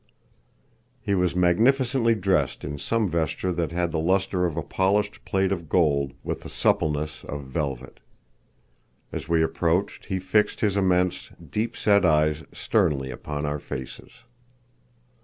He was magnificently dressed in some vesture that had the lustre of a polished plate of gold, with the suppleness of velvet. As we approached he fixed his immense, deep set eyes sternly upon our faces.